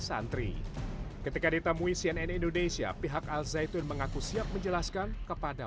santri ketika ditemui cnn indonesia pihak al zaitun mengaku siap menjelaskan kepada